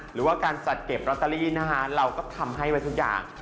หรือว่าการจัดเก็บลอตเตอรี่นะคะเราก็ทำให้ไว้ทุกอย่าง